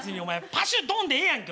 パシュドンでええやんけ。